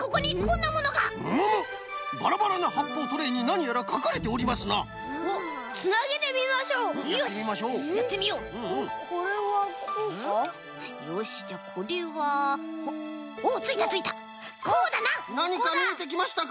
なにかみえてきましたか？